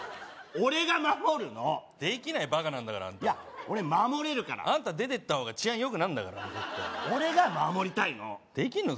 俺が守るのできないバカなんだからあんたいや俺守れるからあんた出てった方が治安よくなんだから絶対俺が守りたいのできんの？